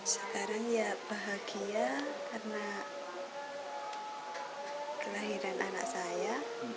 ya karena kelahiran anak saya